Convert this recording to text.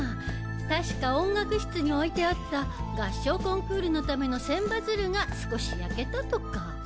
確か音楽室に置いてあった合唱コンクールのための千羽鶴が少し焼けたとか。